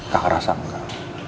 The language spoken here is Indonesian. kakak rasa enggak